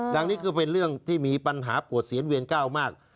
ดังนี้ก็เป็นเรื่องที่มีปัญหาปวดเสียนเวียนก้าวมาก